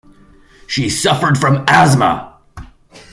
She suffered from asthma.